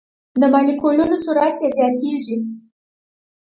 د مالیکولونو سرعت یې زیاتیږي.